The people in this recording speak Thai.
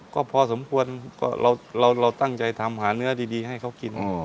ก็พอสมควรก็เราตั้งใจทำหาเนื้อดีให้เขากิน